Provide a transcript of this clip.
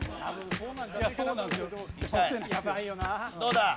どうだ？